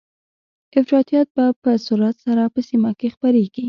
افراطيت به په سرعت سره په سیمه کې خپریږي